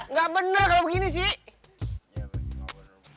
nggak bener kalau begini sih